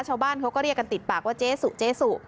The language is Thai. ชาวบ้านเขาก็เรียกกันติดปากว่าเจ๊สุเจ๊สุ